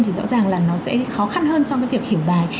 thì rõ ràng là nó sẽ khó khăn hơn trong cái việc hiểu bài